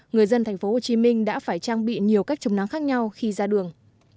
người dân thành phố hồ chí minh đã phải trang bị nhiều cách chống nắng khác nhau khi ra đường